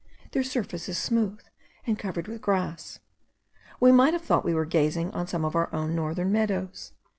Their surface is smooth, and covered with grass. We might have thought we were gazing on some of our own northern meadows.